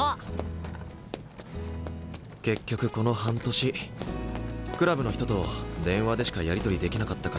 結局この半年クラブの人と電話でしかやり取りできなかったからな。